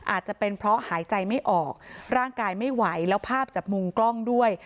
อาจจะเป็นเพราะหายใจไม่ออกร่างกายไม่ไหวแล้วภาพจากมุมกล้องด้วย